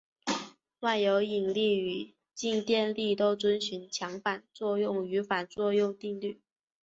万有引力与静电力都遵守强版作用与反作用定律。